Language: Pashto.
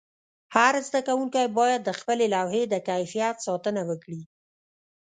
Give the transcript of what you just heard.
هر زده کوونکی باید د خپلې لوحې د کیفیت ساتنه وکړي.